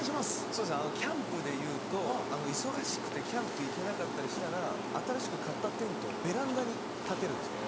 そうですねキャンプでいうと忙しくてキャンプ行けなかったりしたら新しく買ったテントをベランダに立てるんですよ。